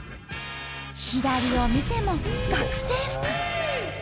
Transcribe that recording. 左を見ても「学生服」。